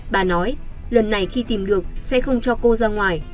bà nói lần này khi tìm được sẽ không cho cô ra ngoài